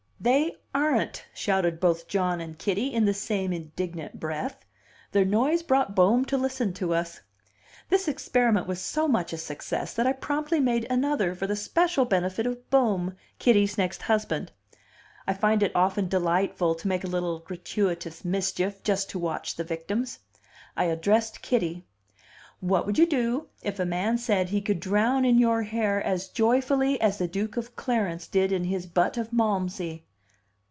"They aren't!" shouted both John and Kitty, in the same indignant breath. Their noise brought Bohm to listen to us. This experiment was so much a success that I promptly made another for the special benefit of Bohm, Kitty's next husband. I find it often delightful to make a little gratuitous mischief, just to watch the victims. I addressed Kitty. "What would you do if a man said he could drown in your hair as joyfully as the Duke of Clarence did in his butt of Malmsey?"